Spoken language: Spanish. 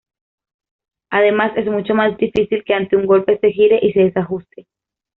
Además es mucho más difícil que ante un golpe se gire y se desajuste.